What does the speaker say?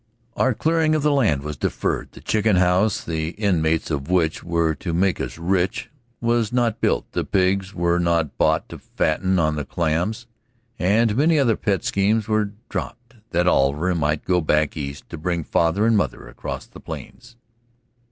Our clearing of the land was deferred; the chicken house, the inmates of which were to make us rich, was not built; the pigs were not bought to fatten on the clams, and many other pet schemes were dropped that Oliver might go back East to bring father and mother across the Plains.